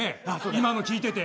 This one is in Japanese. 今の聞いてて！